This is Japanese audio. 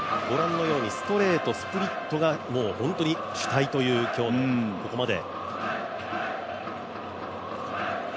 ストレートスプリットが主体という、今日ここまで。